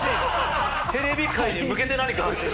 テレビ界に向けて何か発信して。